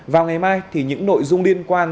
vào ngày mai thì những nội dung liên quan